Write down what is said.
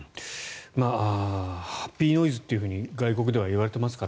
ハッピーノイズと外国では言われていますから。